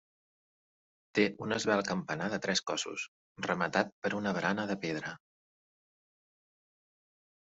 Té un esvelt campanar de tres cossos, rematat per una barana de pedra.